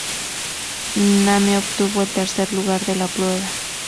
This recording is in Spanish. Name obtuvo el tercer lugar de la prueba.